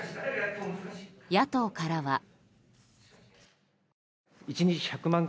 野党からは。